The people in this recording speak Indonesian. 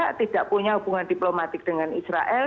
karena tidak punya hubungan diplomatik dengan israel